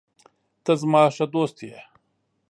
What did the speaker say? ته زما ښه دوست یې.